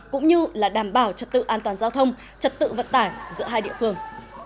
cũng như là đảm bảo trật tự an toàn giao thông trật tự vận tải giữa hai địa phương